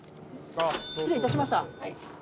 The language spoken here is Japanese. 失礼いたしました。